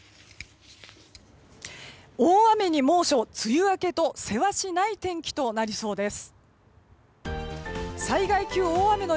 大雨に猛暑、梅雨明けとせわしない天気となりそうです。